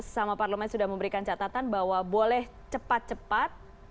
sama parlemen sudah memberikan catatan bahwa boleh cepat cepat